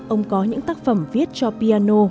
ông có những tác phẩm viết cho piano